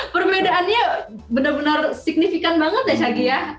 perbedaannya benar benar signifikan banget ya shagia ya